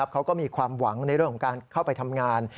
เขาก็มีความหวังในเรื่องของการเข้าไปทำงาน